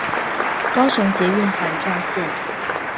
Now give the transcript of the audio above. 高雄捷運環狀線